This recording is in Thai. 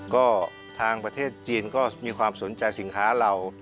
ก็ทางประเทศจีนก็มีความสนใจสินค้าเรา